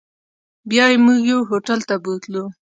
بیا یې موږ یو هوټل ته بوتلو.